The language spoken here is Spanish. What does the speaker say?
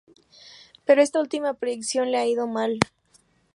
Pero a esta última predicción le ha ido mal.